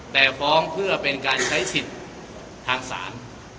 แต่ฟ้องเพื่อเป็นการใช้สิทธิ์ทางศาล